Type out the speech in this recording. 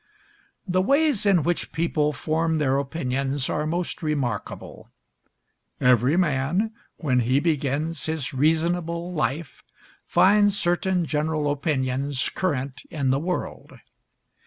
The ways in which people form their opinions are most remarkable. Every man, when he begins his reasonable life, finds certain general opinions current in the world.